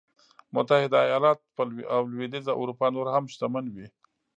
متحده ایالت او لوېدیځه اروپا نور هم شتمن وي.